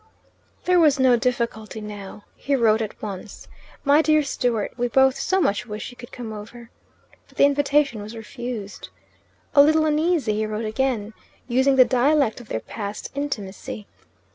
There was no difficulty now. He wrote at once, "My dear Stewart, We both so much wish you could come over." But the invitation was refused. A little uneasy he wrote again, using the dialect of their past intimacy.